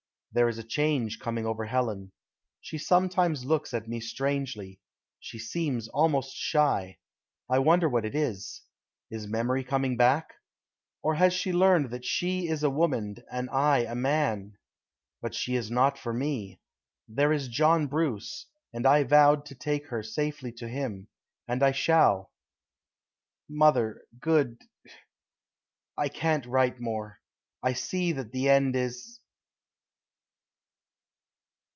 There is a change coming over Helen. She sometimes looks at me strangely. She seems almost shy. I wonder what it is. Is memory coming back? Or has she learned that she is a woman and I a man? But she is not for me. There is John Bruce, and I vowed to take her safely to him, and I shall . Mother, good . I can't write more. I see that the end is....